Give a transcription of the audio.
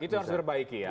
itu harus diperbaiki ya